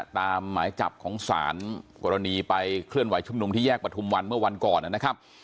ตามหมายจับของศาลกรณีไปเคลื่อนไหชุมนุมที่แยกประทุมวันเมื่อวันก่อนนะครับ